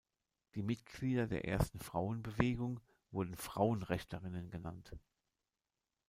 Die Mitglieder der ersten Frauenbewegung wurden "Frauenrechtlerinnen" genannt.